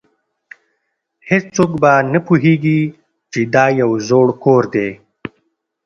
هیڅوک به نه پوهیږي چې دا یو زوړ کور دی